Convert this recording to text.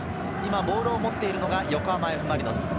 ボールを持っているのが横浜Ｆ・マリノス。